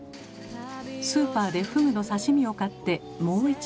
スーパーでフグの刺身を買ってもう一度食べること。